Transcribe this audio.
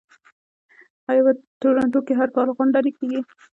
آیا په تورنټو کې هر کال غونډه نه کیږي؟